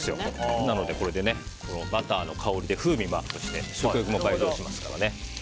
なのでバターの香りで風味もアップして食欲も倍増しますからね。